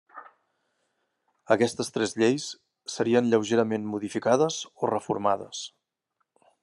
Aquestes tres lleis serien lleugerament modificades o reformades.